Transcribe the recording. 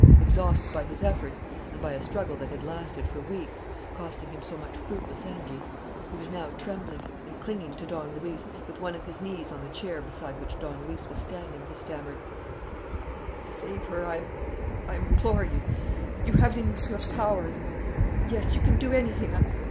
Exhausted by his efforts and by a struggle that had lasted for weeks, costing him so much fruitless energy, he was now trembling; and clinging to Don Luis, with one of his knees on the chair beside which Don Luis was standing, he stammered: "Save her, I implore you! You have it in your power. Yes, you can do anything.